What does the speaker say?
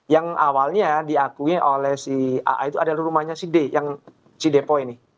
yang awalnya diakui oleh si aa itu adalah rumahnya si depoi